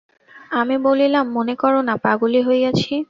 আমি বলিলাম, মনে করো-না পাগলই হইয়াছি।